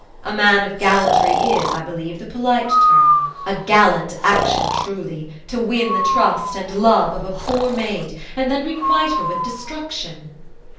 A man of gallantry is, I believe, the polite term. A gallant action, truly, to win the trust and love of a poor maid, and then requite her with destruction."